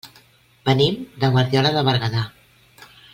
Venim de Guardiola de Berguedà.